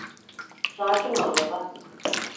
Sakin ol baba.